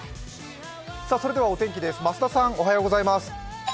それでは、お天気です。